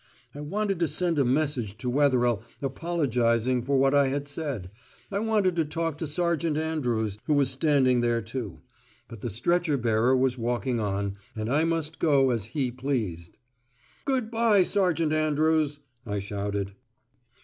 I wanted to send a message to Wetherell apologising for what I had said.... I wanted to talk to Sergeant Andrews, who was standing there too. But the stretcher bearer was walking on, and I must go as he pleased. "Good bye, Sergeant Andrews," I shouted.